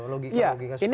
logika logika seperti itu